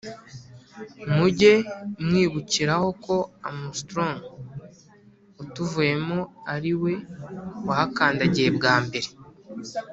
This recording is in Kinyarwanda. muge mwibukiraho ko Armstrong utuvuyemo ari we wahakandagiye bwa mbere